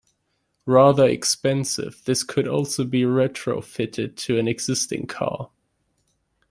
Rather expensive, this could also be retrofitted to an existing car.